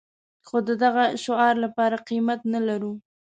خو د دغه شعار لپاره قيمت نه لرو.